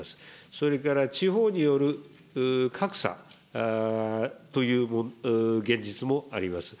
それから地方による格差という現実もあります。